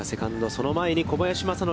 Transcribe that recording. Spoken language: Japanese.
その前に小林正則。